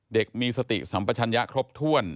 เด็กมีสติสัมปชัญญะครบถ้วน